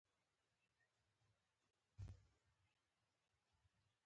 ځکه دلته هم ډېرې غونډۍ دي.